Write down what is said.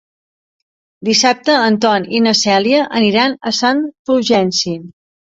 Dissabte en Ton i na Cèlia aniran a Sant Fulgenci.